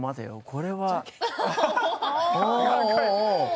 これはと。